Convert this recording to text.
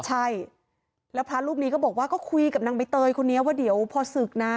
ใช่แล้วพระรูปนี้ก็บอกว่าก็คุยกับนางใบเตยคนนี้ว่าเดี๋ยวพอศึกนะ